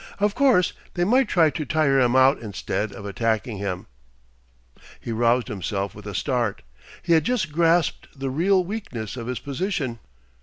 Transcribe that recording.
Of course they might try to tire him out instead of attacking him He roused himself with a start. He had just grasped the real weakness of his position.